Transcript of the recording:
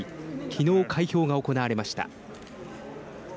きのう開票が行われました。